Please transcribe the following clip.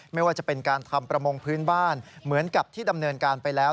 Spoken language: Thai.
ไม่ว่าจะเป็นการทำประมงพื้นบ้านเหมือนกับที่ดำเนินการไปแล้ว